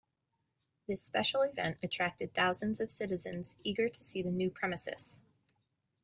This special event attracted thousands of citizens eager to see the new premises.